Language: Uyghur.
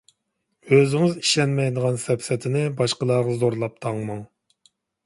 ئۆزىڭىز ئىشەنمەيدىغان سەپسەتىنى باشقىلارغا زورلاپ تاڭماڭ.